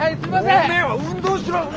おめえは運動しろ運動！